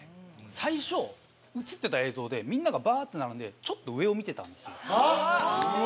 最初映ってた映像でみんなばって並んでちょっと上を見てたんですよ。